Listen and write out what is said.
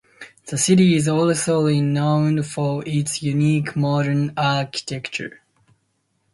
The city is also renowned for its unique wooden architecture.